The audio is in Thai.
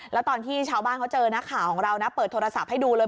แล้วตอนที่ชาวบ้านเขาเจอนักข่าวของเรานะเปิดโทรศัพท์ให้ดูเลย